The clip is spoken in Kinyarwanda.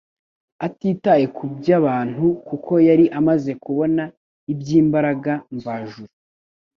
atitaye kuby'abantu kuko yari amaze kubona iby'imbaraga mvajuru